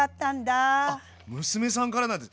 あっ娘さんからなんだ。